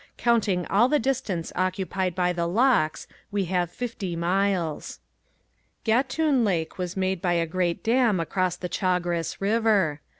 Counting all the distance occupied by the locks we have the fifty miles. Gatun Lake was made by a great dam across the Chagres river.